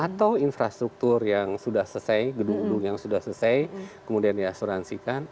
atau infrastruktur yang sudah selesai gedung gedung yang sudah selesai kemudian diasuransikan